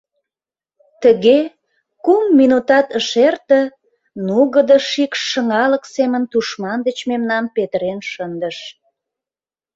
Тыге, кум минутат ыш эрте, нугыдо шикш шыҥалык семын тушман деч мемнам петырен шындыш.